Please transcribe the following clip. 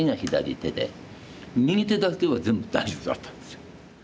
右手だけは全部大丈夫だったんですよ。